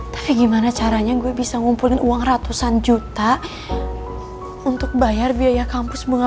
tapi gimana caranya gue bisa ngumpulin uang ratusan juta untuk bayar biaya kampus bunga